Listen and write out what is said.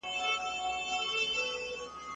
زه له سهاره پاکوالي ساتم